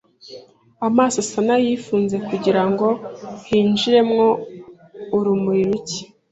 amaso asa n’ayifunze kugirango hinjiremo urumuri rucye.